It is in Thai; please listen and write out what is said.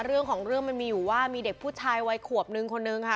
เรื่องของเรื่องมันมีอยู่ว่ามีเด็กผู้ชายวัยขวบนึงคนนึงค่ะ